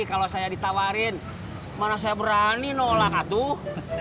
kalau saya ditawarin mana saya berani nolak atuh